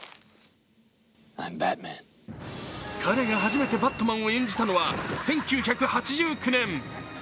彼が初めてバットマンを演じたのは１９８９年。